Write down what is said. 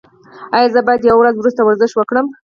ایا زه باید یوه ورځ وروسته ورزش وکړم؟